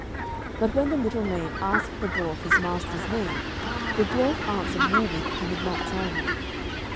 But when the little maid asked the dwarf his master's name, the dwarf answered rudely that he would not tell her.